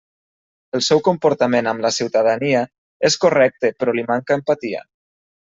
El seu comportament amb la ciutadania és correcte però li manca empatia.